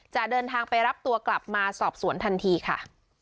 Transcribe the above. จะเดินทางไปรับตัวกลับมาสอบสวนทันทีค่ะ